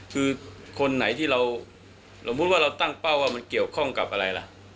คือคนไหนที่เราตั้งเป้าว่ามันเกี่ยวข้องกับอะไรล่ะ